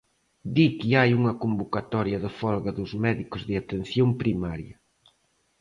Di que hai unha convocatoria de folga dos médicos de Atención Primaria.